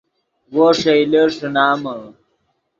وو ݰئیلے ݰینامے